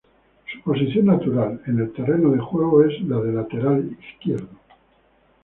Su posición natural en el terreno de juego es la de lateral izquierdo.